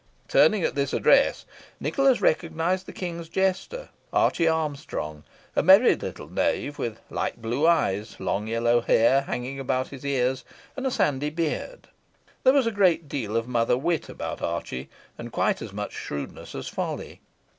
Turning at this address, Nicholas recognised the king's jester, Archie Armstrong, a merry little knave, with light blue eyes, long yellow hair hanging about his ears, and a sandy beard. There was a great deal of mother wit about Archie, and quite as much shrewdness as folly.